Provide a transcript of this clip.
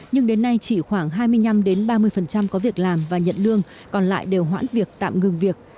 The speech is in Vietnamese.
nhưng đến nay chỉ khoảng hai mươi năm ba mươi có việc làm và nhận lương còn lại đều hoãn việc tạm ngừng việc